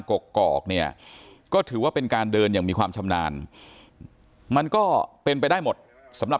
กกอกเนี่ยก็ถือว่าเป็นการเดินอย่างมีความชำนาญมันก็เป็นไปได้หมดสำหรับ